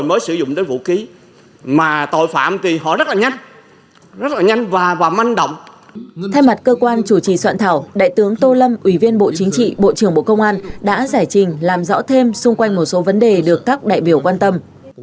bộ công an đã giải trình làm rõ thêm xung quanh một số vấn đề được các đại biểu quan tâm